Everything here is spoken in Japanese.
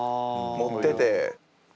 持ってて。